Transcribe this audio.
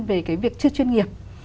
về cái việc chưa chuyên nghiệp